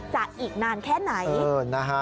อีกนานแค่ไหน